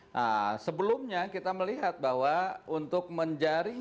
nah sebelumnya kita melihat bahwa untuk menjaring